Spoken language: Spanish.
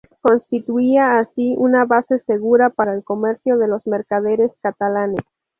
Constituía así una base segura para el comercio de los mercaderes catalanes.